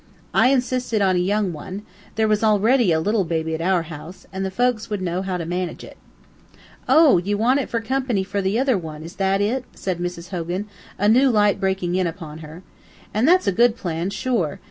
I insisted on a young one there was already a little baby at our house, and the folks there would know how to manage it. "Oh, ye want it fer coompany for the ither one, is that it?" said Mrs. Hogan, a new light breaking in upon her. "An' that's a good plan, sure.